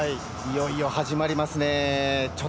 いよいよ始まりますね。